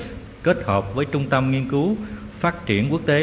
của trung tâm nghiên cứu phát triển quốc tế của trung tâm nghiên cứu phát triển quốc tế